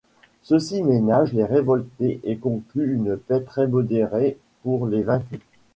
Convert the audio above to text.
Ceux-ci ménagent les révoltés et concluent une paix très modérée pour les vaincus.